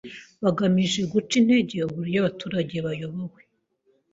bagamije guca intege uburyo abaturage bayobowe